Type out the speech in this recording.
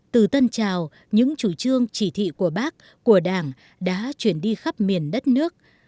từ tân trào những chủ trương chỉ thị của bác của đảng đã chuyển đi khắp miền đất nước